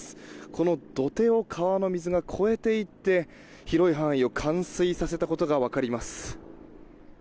この土手を川の水が超えていって広い範囲を冠水させたことが分かります。